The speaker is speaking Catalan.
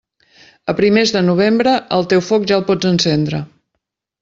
A primers de Novembre, el teu foc ja el pots encendre.